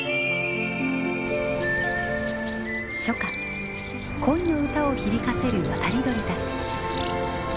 初夏恋の歌を響かせる渡り鳥たち。